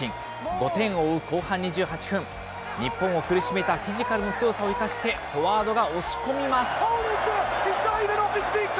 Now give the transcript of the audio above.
５点を追う後半２８分、日本を苦しめたフィジカルの強さを生かして、フォワードが押し込みます。